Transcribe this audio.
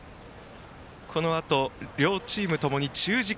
このあと、両チーム共に中軸。